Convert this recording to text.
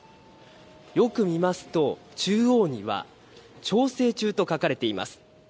よく見ますと、中央には調整中と書かれています。